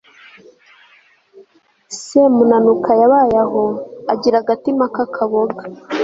semunanuka yabaye aho, agira agatima k'akaboga